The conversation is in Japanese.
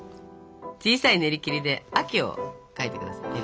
小さいねりきりで秋を描いて下さい。